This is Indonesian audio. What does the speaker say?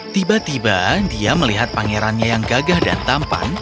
tiba tiba dia melihat pangerannya yang gagah dan tampan